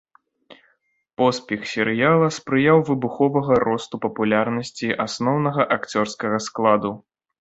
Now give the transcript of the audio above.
Поспех серыяла спрыяў выбуховага росту папулярнасці асноўнага акцёрскага складу.